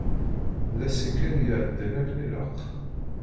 D asikel iεeddan akken ilaq.